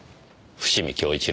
伏見享一